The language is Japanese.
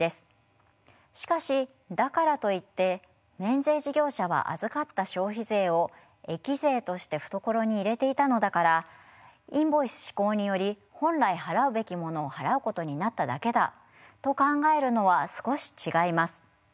しかしだからといって免税事業者は預かった消費税を益税として懐に入れていたのだからインボイス施行により本来払うべきものを払うことになっただけだと考えるのは少し違います。